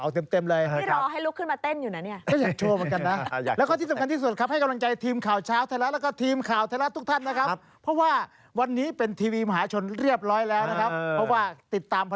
เต็บตรวจหน้าแบบยิ้มเริน